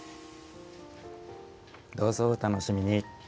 どうぞお楽しみに。